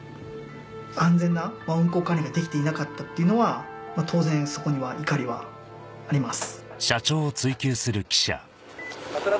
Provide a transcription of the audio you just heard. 安全な運航管理ができていなかったっていうのは当然そこには怒りはあります。